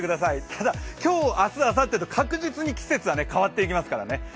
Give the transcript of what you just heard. ただ、今日、明日、あさってと確実に季節は変わっていきますからね。